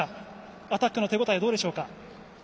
アタックの手応えはどうですか？